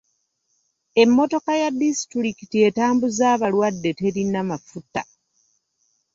Emmotoka ya disitulikiti etambuza abalwadde terina mafuta.